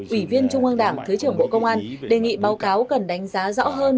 ủy viên trung ương đảng thứ trưởng bộ công an đề nghị báo cáo cần đánh giá rõ hơn